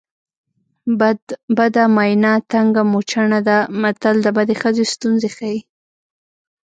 بده ماینه تنګه موچڼه ده متل د بدې ښځې ستونزې ښيي